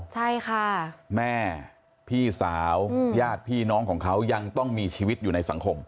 ใช่ค่ะแม่พี่สาวญาติพี่น้องของเขายังต้องมีชีวิตอยู่ในสังคม